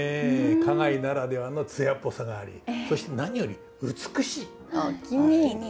花街ならではの艶っぽさがありそして何より美しい。おおきに。